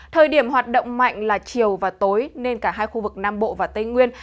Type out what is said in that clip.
thời điểm hoạt động mạnh là chiều và tối nên cả hai khu vực nam bộ và tây nguyên